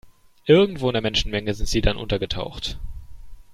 Irgendwo in der Menschenmenge sind sie dann untergetaucht.